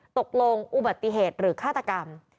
ตกลงอุบัติเหตุหรือฆาตกรรม